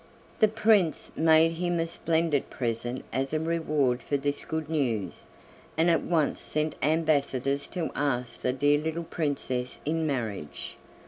The Prince made him a splendid present as a reward for this good news, and at once sent ambassadors to ask the Dear Little Princess in marriage.